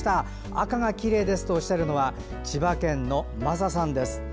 赤がきれいですとおっしゃるのは千葉県のマサさんです。